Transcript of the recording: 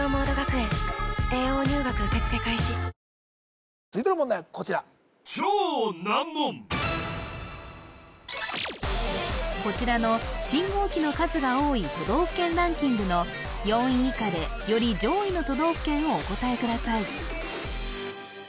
本麒麟続いての問題はこちらこちらの信号機の数が多い都道府県ランキングの４位以下でより上位の都道府県をお答えください